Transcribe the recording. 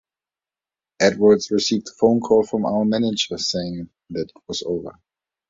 Edwards received a phone call from our manager saying that it was over.